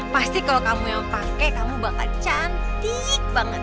pasti kalau kamu yang pakai kamu bakal cantik banget